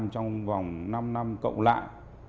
trong vòng năm năm cộng lại